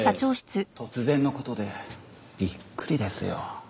突然の事でびっくりですよ。